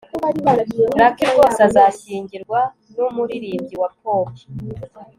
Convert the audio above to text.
lucy rwose azashyingirwa numuririmbyi wa pop